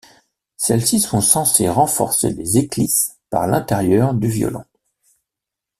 Celles-ci sont censées renforcer les éclisses par l'intérieur du violon.